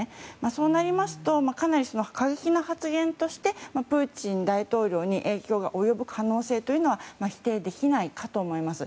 そうなるとかなり過激な発言としてプーチン大統領に影響が及ぶ可能性というのは否定できないかと思います。